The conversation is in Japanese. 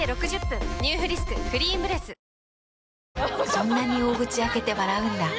そんなに大口開けて笑うんだ。